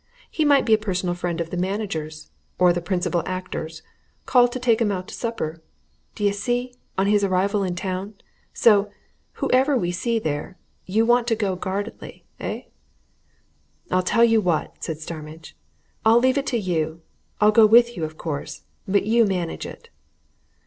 He might be a personal friend of the manager's, or the principal actor's called to take 'em out to supper, d'ye see, on his arrival in town. So whoever we see there, you want to go guardedly, eh?" "I'll tell you what," said Starmidge, "I'll leave it to you. I'll go with you, of course, but you manage it."